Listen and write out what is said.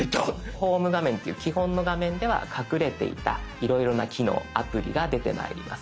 ホーム画面っていう基本の画面では隠れていたいろいろな機能アプリが出てまいります。